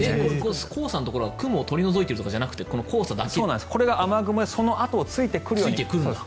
黄砂のところは雲を取り除いているとかじゃなくてこれが雨雲でそのあとをついてくるようにやってくるんです。